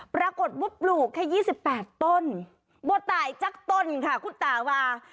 ปรากฏว่าปลูกแค่ยี่สิบแปดต้นบวชตายจากต้นค่ะคุณตาว่า